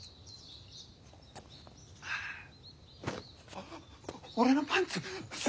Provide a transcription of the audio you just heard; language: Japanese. あっ俺のパンツ！